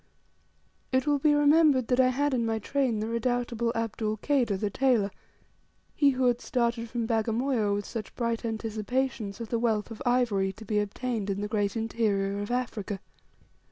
It will be remembered I had in my train the redoubtable Abdul Kader, the tailor, he who had started from Bagamoyo with such bright anticipations of the wealth of ivory to be obtained in the great interior of Africa.